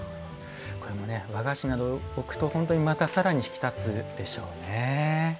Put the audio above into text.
和菓子などを置くとまたさらに引き立つでしょうね。